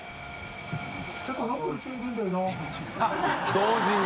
同時に。